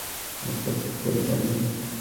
এবং তা শোধ করতে পারেনি।